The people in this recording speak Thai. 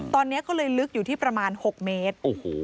ตอนนี้ก็เลยลึกอยู่ที่ประมาณ๖เมตร